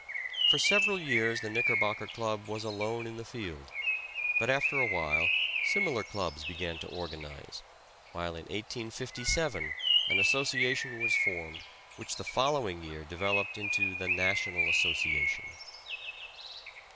For several years the Knickerbocker Club was alone in the field, but after a while similar clubs began to organize, while in 1857 an association was formed which the following year developed into the National Association.